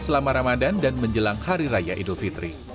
selama ramadan dan menjelang hari raya idul fitri